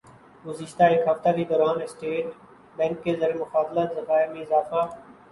گزشتہ ایک ہفتہ کے دوران اسٹیٹ بینک کے زرمبادلہ ذخائر میں اضافہ